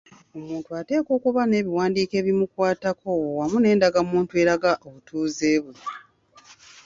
Omuntu ateekwa okuba n’ebiwandiiko ebimukwatako wamu n’endagamuntu eraga obutuuze bwe.